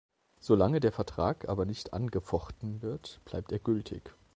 Solange der Vertrag aber nicht angefochten wird, bleibt er gültig.